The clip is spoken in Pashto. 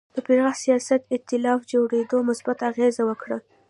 د پراخ سیاسي اېتلاف جوړېدو مثبت اغېز وکړ.